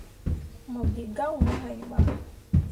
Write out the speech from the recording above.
Mo gi gah wuu hai bah.